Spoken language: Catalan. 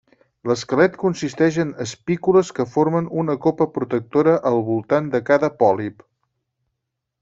L'esquelet consisteix en espícules que formen una copa protectora al voltant de cada pòlip.